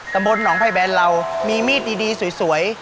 ตระบน้องไผ่แบนเรามีมีดดีสวย